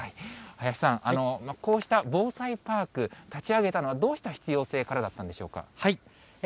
林さん、こうした防災パーク、立ち上げたのはどうした必要性からだったんでしょうか？